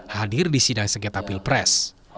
hadir di sidang sengketa pilpres